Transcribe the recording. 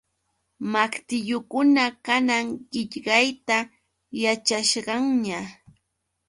Maqtillukuna kanan qillqayta yaćhasqanña.